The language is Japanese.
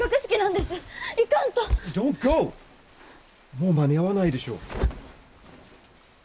もう間に合わないでしょう。